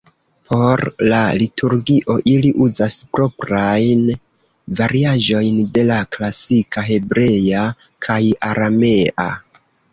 Por la liturgio ili uzas proprajn variaĵojn de la klasika Hebrea kaj Aramea.